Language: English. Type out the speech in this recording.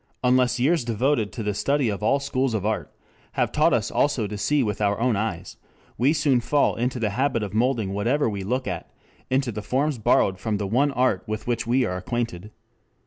unless years devoted to the study of all schools of art have taught us also to see with our own eyes, we soon fall into the habit of moulding whatever we look at into the forms borrowed from the one art with which we are acquainted.